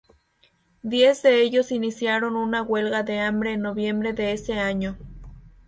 Diez de ellos iniciaron una huelga de hambre en noviembre de ese año.